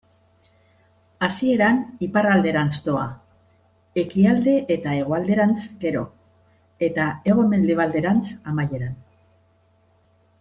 Hasieran iparralderantz doa, ekialde eta hegoalderantz gero, eta hego-mendebalderantz amaieran.